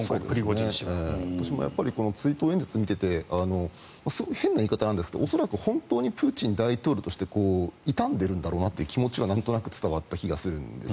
私も追悼演説を見ててすごく変な言い方ですが本当にプーチン大統領として悼んでるんだろうなと気持ちはなんとなく伝わった気がするんです。